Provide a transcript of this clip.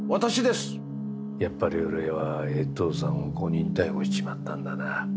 やっぱり俺は衛藤さんを誤認逮捕しちまったんだな。